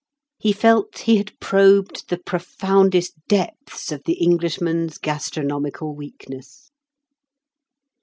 He felt he had probed the profoundest depths of the Englishman's gastronomical weakness.